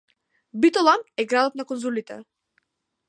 Битола е градот на конзулите.